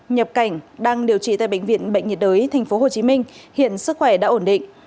nhập cảnh đang điều trị tại bệnh viện bệnh nhiệt đới tp hcm hiện sức khỏe đã ổn định